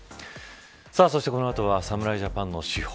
そして、この後は侍ジャパンの主砲